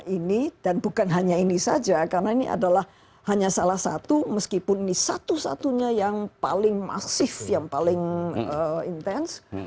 ini dan bukan hanya ini saja karena ini adalah hanya salah satu meskipun ini satu satunya yang paling masif yang paling intens